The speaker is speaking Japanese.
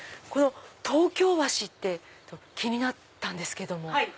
東京和紙って気になったんですけども。